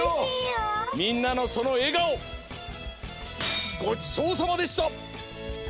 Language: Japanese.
みんなのそのえがおごちそうさまでした！